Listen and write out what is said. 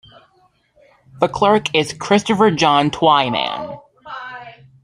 The Clerk is Christopher John Twyman.